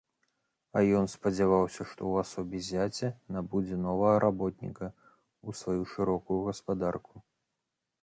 А ён спадзяваўся, што ў асобе зяця набудзе новага работніка ў сваю шырокую гаспадарку.